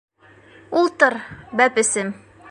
Ултыр, бәпесем.